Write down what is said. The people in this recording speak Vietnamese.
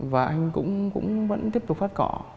và anh cũng vẫn tiếp tục phát cỏ